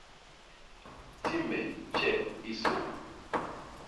Ti me tjep i sô.